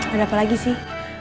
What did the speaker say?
ada apa lagi sih